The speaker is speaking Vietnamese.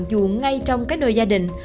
dù ngay trong cái nơi gia đình